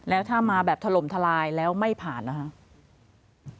แล้วถ้ามาแบบถล่มทลายแล้วไม่ผ่านนะครับ